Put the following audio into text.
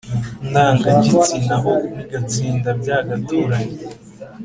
ndanga-gits ina aho n' agatsinda bya_ga tura nye